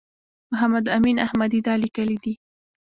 محمد امین احمدي دا لیکلي دي.